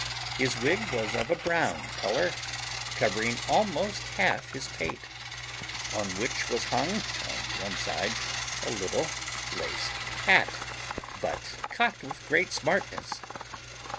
His wig was of a brown colour, covering almost half his pate, on which was hung on one side a little laced hat, but cocked with great smartness.